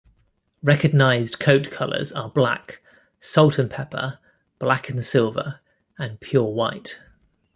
Recognized coat colors are black, salt and pepper, black and silver, and pure white.